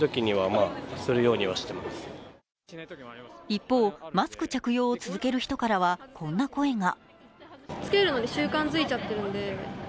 一方、マスク着用を続ける人からはこんな声が。